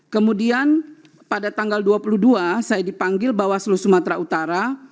kemudian pada tanggal dua puluh dua saya dipanggil bawaslu sumatera utara